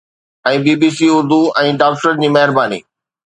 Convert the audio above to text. ۽ B B C Urdu ۽ ڊاڪٽرن جي مهرباني